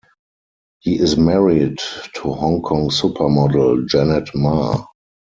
He is married to Hong Kong supermodel Janet Ma.